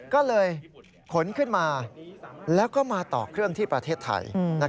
ก็เลยขนขึ้นมาแล้วก็มาต่อเครื่องที่ประเทศไทย